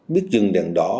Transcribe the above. biết dừng đèn đỏ